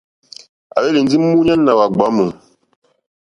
À hwélì ndí múɲánà ɡbwámù.